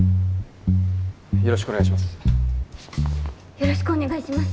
よろしくお願いします。